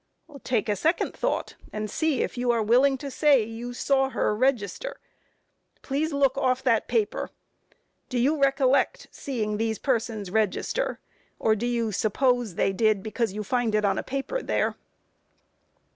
Q. Take a second thought and see if you are willing to say you saw her register please look off that paper. Do you recollect seeing those persons register, or do you suppose they did, because you find it on a paper there?